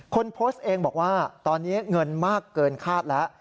คนโพสต์เองบอกว่าตอนนี้เงินมากเกินคาดแล้ว